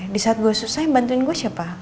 di saat gue susah yang bantuin gue siapa